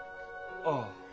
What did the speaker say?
ああ。